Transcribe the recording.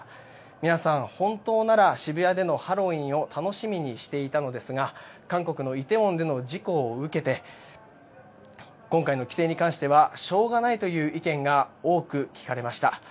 皆さん本当なら渋谷でのハロウィーンを楽しみにしていたのですが韓国の梨泰院での事故を受けて今回の規制に関してはしょうがないという意見が多く聞かれました。